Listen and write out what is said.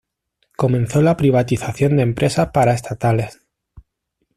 Comenzó la privatización de empresas paraestatales.